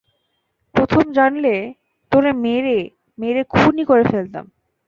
প্রথমে জানলে, তোরে মেরে মেরে খুনই করে ফেলতাম।